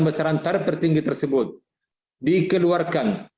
besaran tarif tertinggi tersebut dikeluarkan